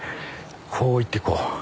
こう行ってこう。